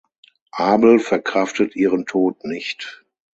Abel verkraftet ihren Tod nicht.